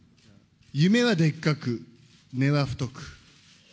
夢はでっかく、根は太く。